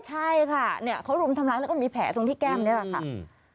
ใช่ค่ะค่ะเขาฤมทำล้ายแล้วก็มีแผลตรงที่แก้มเลยค่ะ